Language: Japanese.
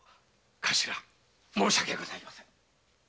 カシラ申し訳ございません